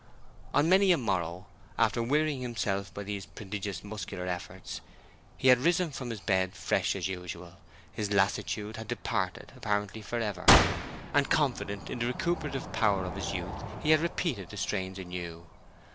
On many a morrow after wearying himself by these prodigious muscular efforts, he had risen from his bed fresh as usual; his lassitude had departed, apparently forever; and confident in the recuperative power of his youth, he had repeated the strains anew.